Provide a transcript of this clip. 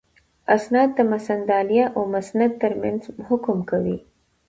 اِسناد د مسندالیه او مسند تر منځ حکم کوي.